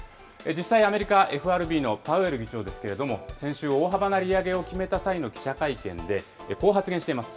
実際、アメリカ、ＦＲＢのパウエル議長ですけれども、先週、大幅な利上げを決めた際の記者会見で、こう発言しています。